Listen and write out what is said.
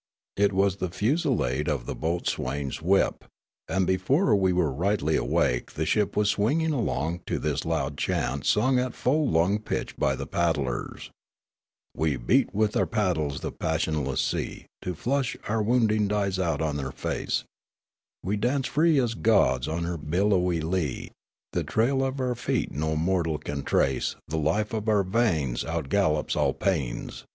It was the fusillade of the boat swain's whip. And before we were rightly awake the ship was swinging along to this loud chant sung at full lung pitch by the paddlers : We beat with our paddles the passionless sea ; The flush of our wounding dies out on her face ; We dance free as gods on her billowy lea ; The trail of our feet no mortal can trace. The life in our veins Outgallops all pains.